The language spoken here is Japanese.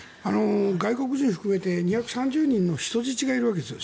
外国人含めて２３０人の人質がいるわけですよ。